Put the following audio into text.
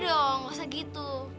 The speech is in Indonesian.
dong gak usah gitu